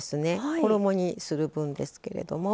衣にする分ですけども。